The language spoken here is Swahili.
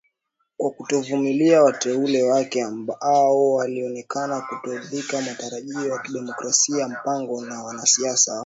kwa kutovumilia wateule wake ambao walionekana kutokidhi matarajio yakeDaktari Mpango ni mwanasiasa wa